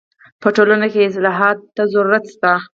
په ټولنه کي اصلاحاتو ته ضرورت سته.